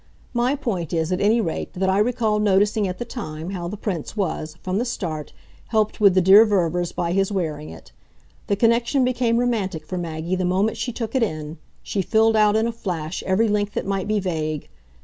My point is, at any rate, that I recall noticing at the time how the Prince was, from the start, helped with the dear Ververs by his wearing it. The connection became romantic for Maggie the moment she took it in; she filled out, in a flash, every link that might be vague.